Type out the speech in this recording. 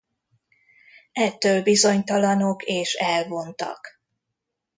Ettől bizonytalanok és elvontak.